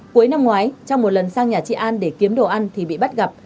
cuối năm ngoái trong một lần sang nhà chị an để kiếm đồ ăn thì bị bắt gặp